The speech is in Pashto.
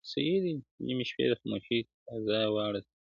د نيمي شپې د خاموشۍ د فضا واړه ستـوري,